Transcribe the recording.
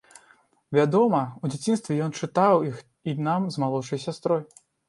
Вядома, у дзяцінстве ён чытаў іх і нам з малодшай сястрой.